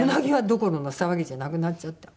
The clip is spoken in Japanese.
鰻どころの騒ぎじゃなくなっちゃった。